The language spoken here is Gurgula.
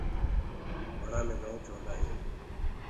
وڻآ مي گنُوچ هوندآ هينٚ۔